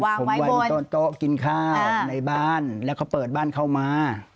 ผมไว้โต๊ะกินข้าวในบ้านแล้วเขาเปิดบ้านเข้ามา